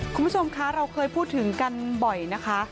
คุณผู้ชมคะเราเคยพูดถึงกันบ่อยนะคะ